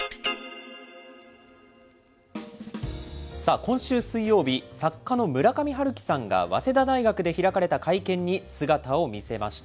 さあ、今週水曜日、作家の村上春樹さんが早稲田大学で開かれた会見に姿を見せました。